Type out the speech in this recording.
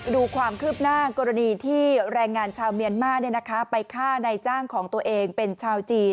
ดูความคืบหน้ากรณีที่แรงงานชาวเมียนมาไปฆ่าในจ้างของตัวเองเป็นชาวจีน